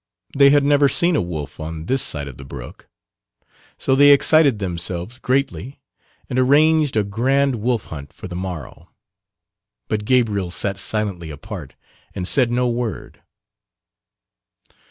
They had never seen a wolf on this side of the brook, so they excited themselves greatly and arranged a grand wolf hunt for the morrow, but Gabriel sat silently apart and said no word.